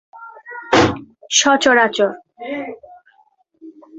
বেশিরভাগ শহরগুলিতে নগর খণ্ডের আকার বা আকারের বৃহৎ বা কম সংখ্যক দ্বারা গঠিত।